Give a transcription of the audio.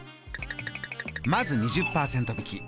まず２０％引き。